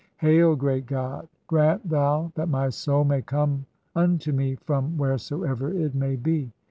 [Hail,] great God ! "Grant thou that my soul may come unto me from wheresoever "it may be.